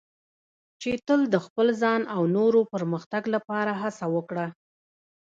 چې تل د خپل ځان او نورو پرمختګ لپاره هڅه وکړه.